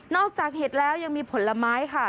จากเห็ดแล้วยังมีผลไม้ค่ะ